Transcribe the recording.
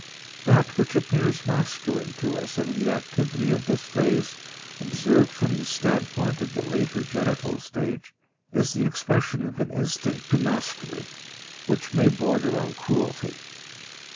That which appears masculine to us in the activity of this phase, observed from the standpoint of the later genital stage, is the expression of an instinct to mastery, which may border on cruelty.